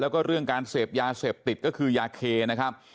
แล้วก็เรื่องการเสพยาเสพติดก็คือยาเคนะครับ